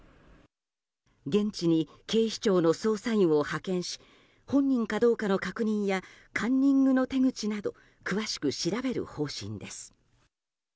現地に警視庁の捜査員を派遣し本人かどうかの確認やカンニングの手口など詳しく調べる方針です。